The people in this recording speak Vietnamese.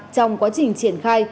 trong quá trình triển khai